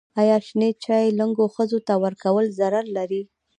ایا شنې چايي و لنګو ښځو ته ورکول ضرر لري؟